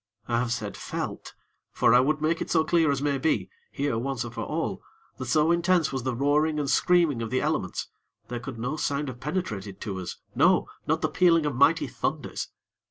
I have said "felt"; for I would make it so clear as may be, here once and for all, that so intense was the roaring and screaming of the elements, there could no sound have penetrated to us, no! not the pealing of mighty thunders.